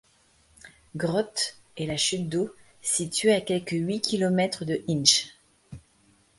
Grottes et la chute d’eau situées à quelque huit kilomètres de Hinche.